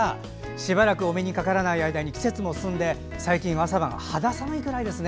しばらくお目にかからない間に季節も進んで最近は朝晩が肌寒いくらいですね。